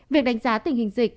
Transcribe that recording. việc đánh giá tình hình dịch